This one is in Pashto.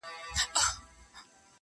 د خان ورور هغه تعویذ وو پرانیستلی -